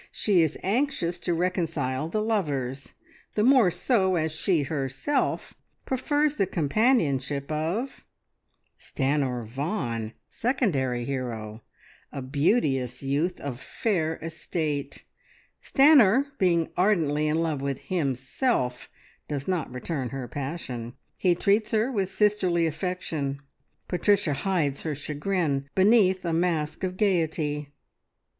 She is anxious to reconcile the lovers. The more so as she herself prefers the companionship of: "Stanor Vaughan, Secondary Hero, a beauteous youth of fair estate. Stanor being ardently in love with himself, does not return her passion. He treats her with sisterly affection. Patricia hides her chagrin beneath a mask of gaiety.